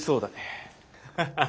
ハハハッ。